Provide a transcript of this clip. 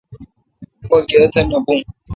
مہ کاتھ نہ بھوں